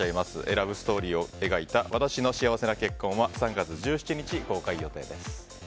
ラブストーリーを描いた「わたしの幸せな結婚」は３月１７日公開予定です。